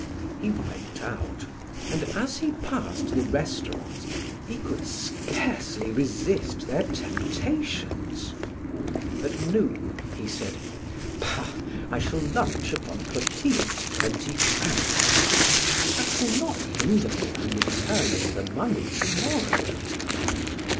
He went out and as he passed the restaurants he could scarcely resist their temptations. At noon he said: "Bah, I shall lunch upon Clotilde's twenty francs; that will not hinder me from returning the money to morrow."